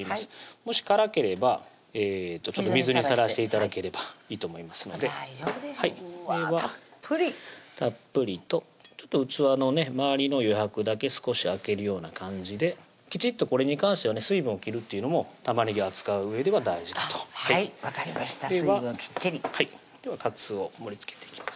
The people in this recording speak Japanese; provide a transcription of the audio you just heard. もし辛ければ水にさらして頂ければいいと思いますので大丈夫でしょうわたっぷりたっぷりとちょっと器の周りの余白だけ少し空けるような感じできちっとこれに関してはね水分を切るっていうのも玉ねぎ扱ううえでは大事だとはい分かりました水分きっちりではかつお盛りつけていきます